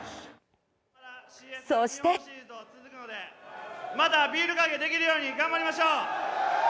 そしてまたビールかけできるように頑張りましょう。